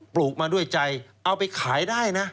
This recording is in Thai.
ลูกมาด้วยใจเอาไปขายได้นะ